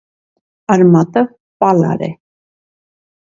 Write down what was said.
Արմատը պալար է։